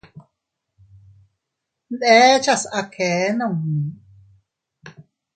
Ndechas a kee nunni.